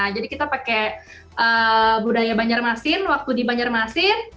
jadi kita pakai budaya banjarmasin waktu di banjarmasin